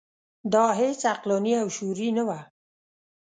دا هیڅ عقلاني او شعوري نه وه.